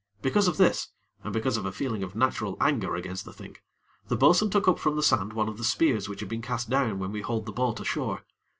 Because of this, and because of a feeling of natural anger against the thing, the bo'sun took up from the sand one of the spears which had been cast down when we hauled the boat ashore.